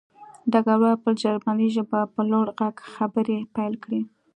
ډګروال په جرمني ژبه په لوړ غږ خبرې پیل کړې